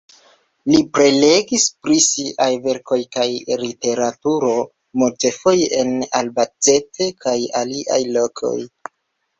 Li prelegis pri siaj verkoj kaj literaturo multfoje en Albacete kaj aliaj lokoj.